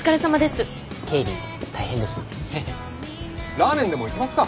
ラーメンでも行きますか。